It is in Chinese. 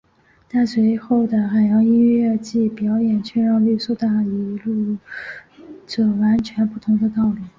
但是随后的海洋音乐季表演却让苏打绿走向一条完全不同的道路。